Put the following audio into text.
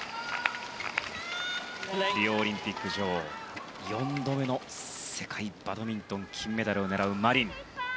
リオオリンピック女王４度目の世界バドミントン金メダルを狙うマリン。